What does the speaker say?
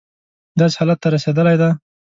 داسې حالت ته رسېدلی دی.